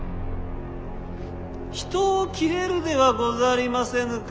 人を斬れるではござりませぬか。